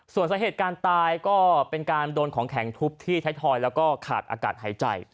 ส่วนสาเหตุการณ์ตายก็เป็นการโดนของแข็งทุบที่ไทยทอยแล้วก็ขาดอากาศหายใจ